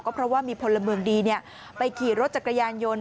เพราะว่ามีพลเมืองดีไปขี่รถจักรยานยนต์